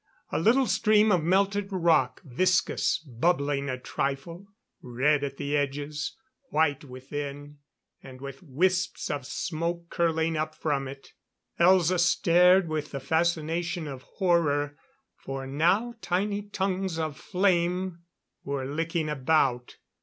A little stream of melted rock, viscous, bubbling a trifle; red at the edges, white within, and with wisps of smoke curling up from it. Elza stared with the fascination of horror, for now tiny tongues of flame were licking about.